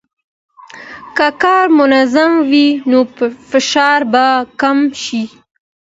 که کار منظم وي، نو فشار به کم شي.